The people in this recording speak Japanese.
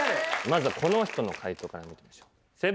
まずはこの人の解答から見てみましょう。